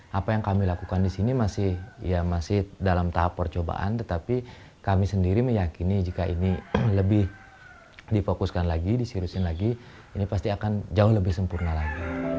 apa yang kami lakukan di sini masih ya masih dalam tahap percobaan tetapi kami sendiri meyakini jika ini lebih difokuskan lagi diseruskan lagi ini pasti akan jauh lebih sempurna lagi